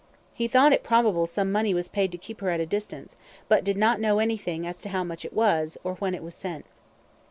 "He thought it probable some money was paid to keep her at a distance, but did not know anything as to how much it was, or when it was sent."